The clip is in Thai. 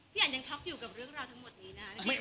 อันยังช็อปอยู่กับเรื่องราวทั้งหมดนี้นะ